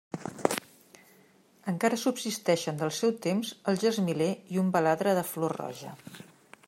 Encara subsisteixen del seu temps el gesmiler i un baladre de flor roja.